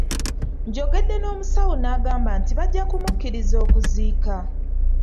Njogedde n’omusawo n’agamba nti bajja kumukkiriza okuziika.